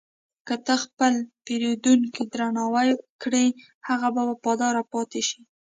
که ته خپل پیرودونکی درناوی کړې، هغه به وفادار پاتې شي.